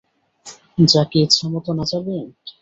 যাকে ইচ্ছেমত নাচাবেন?